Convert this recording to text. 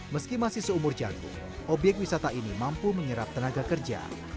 meski masih seumur jagung obyek wisata ini mampu menyerap tenaga kerja